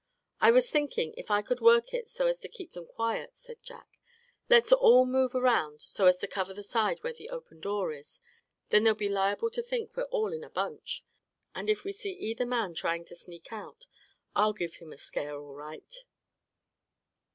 "I was thinking if I could work it so as to keep them quiet," said Jack. "Let's all move around so as to cover the side where the open door is. Then they'll be liable to think we're all there in a bunch. And if we see either man trying to sneak out, I'll give him a scare, all right."